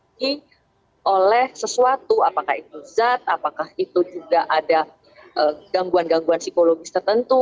jadi oleh sesuatu apakah itu zat apakah itu juga ada gangguan gangguan psikologis tertentu